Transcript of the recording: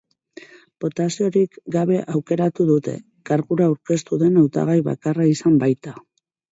Botaziorik gabe aukeratu dute, kargura aurkeztu den hautagai bakarra izan baita.